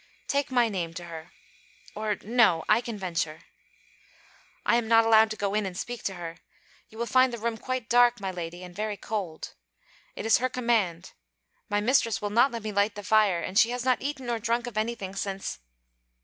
'Take my name to her. Or no: I can venture.' 'I am not allowed to go in and speak to her. You will find the room quite dark, my lady, and very cold. It is her command. My mistress will not let me light the fire; and she has not eaten or drunk of anything since...